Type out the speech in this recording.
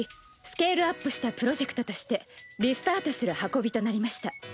スケールアップしたプロジェクトとしてリスタートする運びとなりました。